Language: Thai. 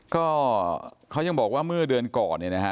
ก็เขายังบอกว่าเมื่อเดือนก่อนเนี่ยนะฮะ